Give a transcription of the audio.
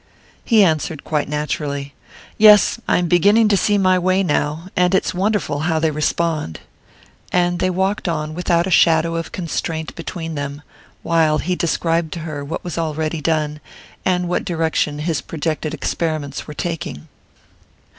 He answered quite naturally: "Yes I'm beginning to see my way now; and it's wonderful how they respond " and they walked on without a shadow of constraint between them, while he described to her what was already done, and what direction his projected experiments were taking.